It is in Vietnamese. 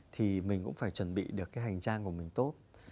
thì mình cũng phải chuẩn bị được cái hành trang của mình tốt